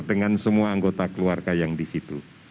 dengan semua anggota keluarga yang di situ